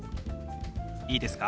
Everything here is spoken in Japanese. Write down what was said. いいですか？